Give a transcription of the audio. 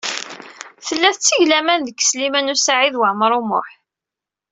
Tella tetteg laman deg Sliman U Saɛid Waɛmaṛ U Muḥ.